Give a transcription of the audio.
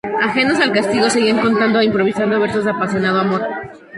Ajenos al castigo, seguían cantando e improvisando versos de apasionado amor.